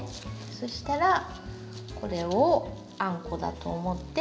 そしたらこれをあんこだと思って。